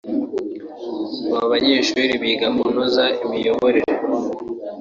Aba banyeshuri biga kunoza imiyoborere